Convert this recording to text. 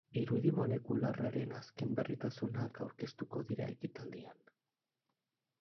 Irudi molekularraren azken berritasunak aurkeztuko dira ekitaldian.